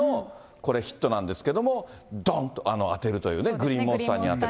これヒットなんですけれども、どんと当てるというね、グリーンモンスターに当たる。